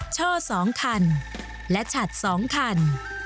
ช่อ๒คันและฉัด๒คัน